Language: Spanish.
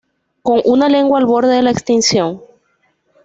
Con una lengua al borde de la extinción.